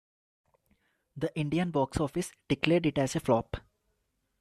The Indian Box Office declared it as a flop.